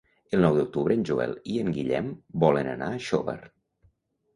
El nou d'octubre en Joel i en Guillem volen anar a Xóvar.